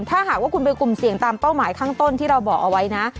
ถ้าหากว่าคุณเป็นกลุ่มเสี่ยงตามเป้าหมายข้างต้นที่เราบอกเอาไว้นะ